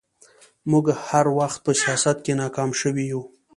موږ هر وخت په سياست کې ناکام شوي يو